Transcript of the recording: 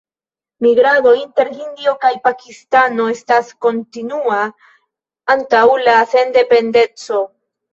Migrado inter Hindio kaj Pakistano estis kontinua antaŭ la sendependeco.